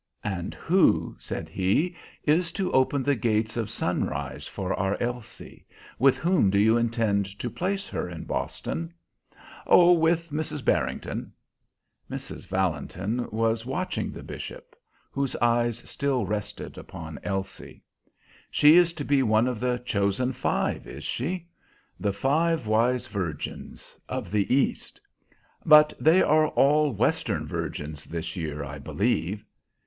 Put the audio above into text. "And who," said he, "is to open the gates of sunrise for our Elsie? With whom do you intend to place her in Boston?" "Oh, with Mrs. Barrington." Mrs. Valentin was watching the bishop, whose eyes still rested upon Elsie. "She is to be one of the chosen five, is she? The five wise virgins of the East? But they are all Western virgins this year, I believe."